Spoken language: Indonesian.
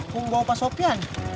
gua mau bawa pasoknya